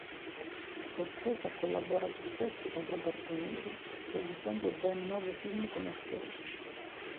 Scorsese ha collaborato spesso con Robert De Niro, realizzando ben nove film con l'attore.